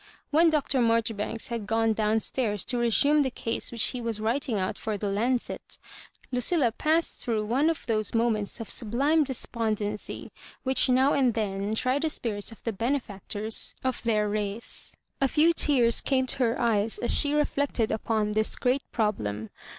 When Dr. Marjoribanks hid gone down stairs to resume the case which he was writing out for the 'Lancet,' Lucilla passed through one of those moments of sublime despondency which now and then try the* spirits of the benefkctors of their race. A few tears came to her eyes as she reflected upon this great problem.